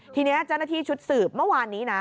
ทีนี้เจ้าหน้าที่ชุดสืบเมื่อวานนี้นะ